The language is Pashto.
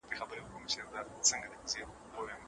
لوستې نجونې د ستونزو اورېدو ته وخت ورکوي.